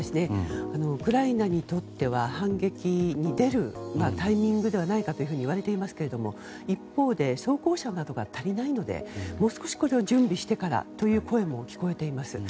ウクライナにとっては反撃に出るタイミングではないかといわれていますけども一方で装甲車などが足りないのでもう少し準備してからという声も聞こえています。